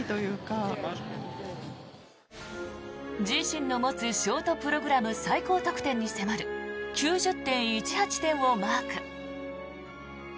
自身の持つショートプログラム最高得点に迫る９０．１８点をマーク。